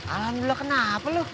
alhamdulillah kenapa lu